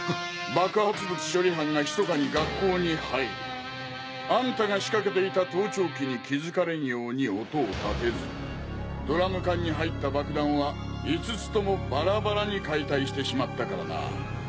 爆発物処理班が密かに学校に入りあんたが仕掛けていた盗聴器に気づかれんように音を立てずドラム缶に入った爆弾は５つともバラバラに解体してしまったからな。